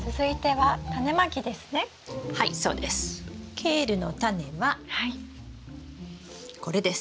ケールのタネはこれです。